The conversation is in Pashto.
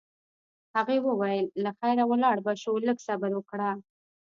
هغې وویل: له خیره ولاړ به شو، لږ صبر وکړه.